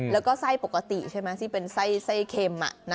แล้วก็ไส้ปกติใช่ไหมที่เป็นไส้เค็ม